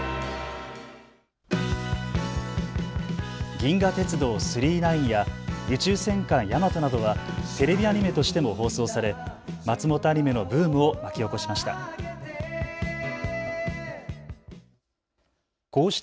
銀河鉄道９９９や宇宙戦艦ヤマトなどはテレビアニメとしても放送され松本アニメのブームを巻き起こしました。